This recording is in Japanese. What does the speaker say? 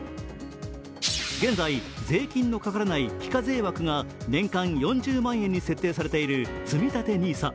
現在、税金のかからない非課税枠が年間４０万円に設定されているつみたてＮＩＳＡ。